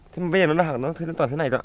thế mà bây giờ nó toàn thế này thôi ạ